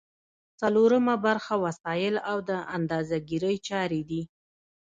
څلورمه برخه وسایل او د اندازه ګیری چارې دي.